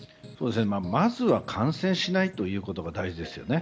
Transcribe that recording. まずは感染しないことが大事ですよね。